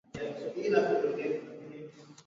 kumengenya chakula